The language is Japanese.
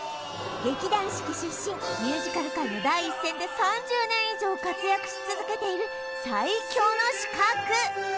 劇団四季出身ミュージカル界の第一線で３０年以上活躍し続けている最強の刺客